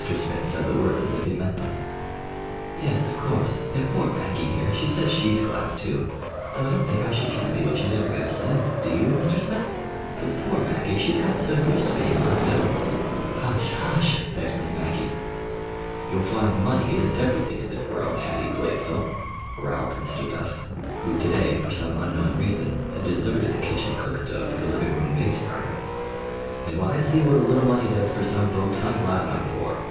Smith said the words as if he meant them. "Yes, of course; and poor Maggie here, she says she's glad, too,—though I don't see how she can be, when she never got a cent, do you, Mr. Smith? But, poor Maggie, she's got so used to being left out—" "Hush, hush!" begged Miss Maggie. "You'll find money isn't everything in this world, Hattie Blaisdell," growled Mr. Duff, who, to day, for some unknown reason, had deserted the kitchen cookstove for the living room base burner. "And when I see what a little money does for some folks I'm glad I'm poor.